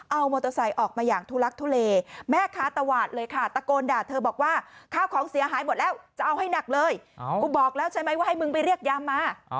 เอามอเตอร์ไซค์ออกมาอย่างทุลักทุเลแม่ค้าตวาดเลยค่ะตะโกนด่าเธอบอกว่าข้าวของเสียหายหมดแล้วจะเอาให้หนักเลยกูบอกแล้วใช่ไหมว่าให้มึงไปเรียกยามมา